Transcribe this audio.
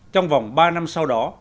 trong vòng ba năm sau đó